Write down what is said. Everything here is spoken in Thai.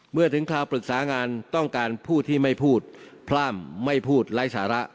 เมื่อถึงคราวปรึกษางานต้องการผู้ที่ไม่พูดพร่ำไม่พูดไร้สาระ